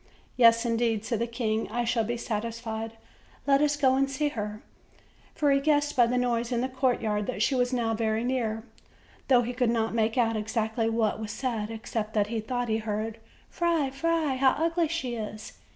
"Yes, indeed," said the king, "I shall be satisfied; let us go and see her;" for he guessed by the noise in the courtyard that she was now very near, though he could not make out exactly what was said, excepting that he thought he heard: "Fy, fy, how ugly she is!"